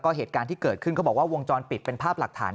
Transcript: เหตุการณ์ที่เกิดขึ้นเขาบอกว่าวงจรปิดเป็นภาพหลักฐาน